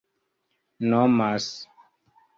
nomas